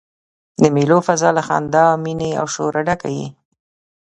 د مېلو فضاء له خندا، میني او شوره ډکه يي.